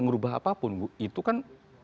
merubah apapun itu kan